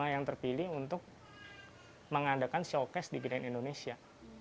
lima yang terpilih untuk mengadakan showcase di kina indonesia